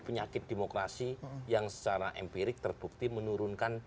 penyakit demokrasi yang secara empirik terbukti menurunkan